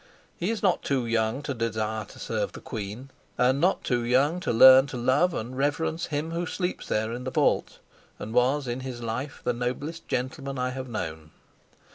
He is not too young to desire to serve the queen, and not too young to learn to love and reverence him who sleeps there in the vault and was in his life the noblest gentleman I have known.